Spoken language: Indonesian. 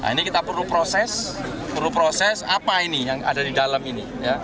ini kita perlu proses perlu proses apa ini yang ada di dalam ini